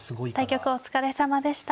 対局お疲れさまでした。